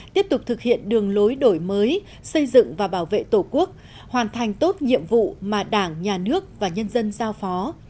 tiếp tục thực hiện đường lối đổi mới xây dựng và bảo vệ tổ quốc hoàn thành tốt nhiệm vụ mà đảng nhà nước và nhân dân giao phó